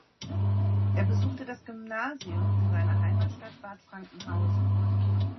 Er besuchte das Gymnasium in seiner Heimatstadt Bad Frankenhausen.